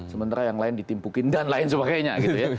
sementara yang lain ditimpukin dan lain sebagainya gitu ya